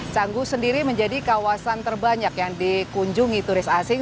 canggu sendiri menjadi kawasan terbanyak yang dikunjungi turis asing